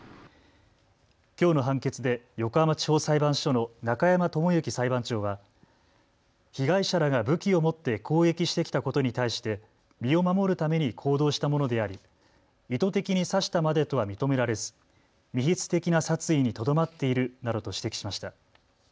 きょうの判決で横浜地方裁判所の中山大行裁判長は被害者らが武器を持って攻撃してきたことに対して身を守るために行動したものであり意図的に刺したまでとは認められず未必的な殺意にとどまっているなどと指摘しました。